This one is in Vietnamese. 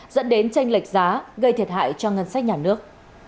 dẫn đến tranh lệch giá gây thiệt hại cho ngân sách nhà nước